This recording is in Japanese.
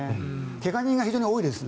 怪我人が非常に多いです。